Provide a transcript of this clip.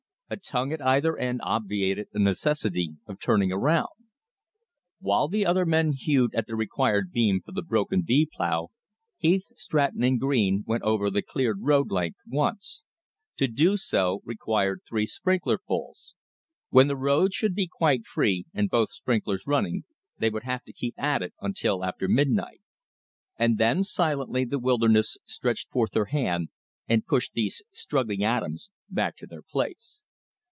A tongue at either end obviated the necessity of turning around. While the other men hewed at the required beam for the broken V plow, Heath, Stratton, and Green went over the cleared road length once. To do so required three sprinklerfuls. When the road should be quite free, and both sprinklers running, they would have to keep at it until after midnight. And then silently the wilderness stretched forth her hand and pushed these struggling atoms back to their place.